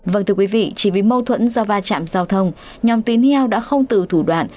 vâng thưa quý vị chỉ vì mâu thuẫn do va chạm giao thông nhóm tín heo đã không từ thủ đoạn